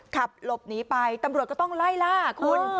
ขับหลบหนีไปตำรวจก็ต้องไล่ล่าคุณ